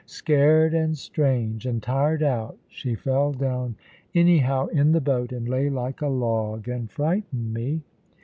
Scared, and strange, and tired out, she fell down anyhow in the boat, and lay like a log, and frightened me.